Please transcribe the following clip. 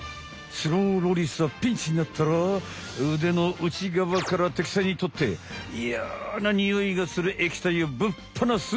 スローロリスはピンチになったら腕の内側から敵さんにとってイヤなニオイがする液体をぶっぱなす。